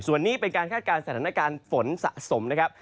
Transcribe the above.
ส่วนนี้เป็นการคาดการณ์สถานการณ์ฝนสะสมนะครับ